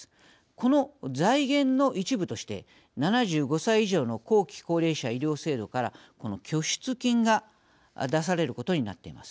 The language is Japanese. この財源の一部として７５歳以上の後期高齢者医療制度からこの拠出金が出されることになっています。